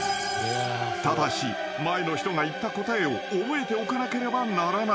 ［ただし前の人が言った答えを覚えておかなければならない］